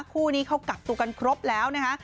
คู่นี้เขากักตัวกันครบแล้วนะคะ